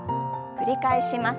繰り返します。